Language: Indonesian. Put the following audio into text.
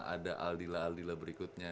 ada aldila aldila berikutnya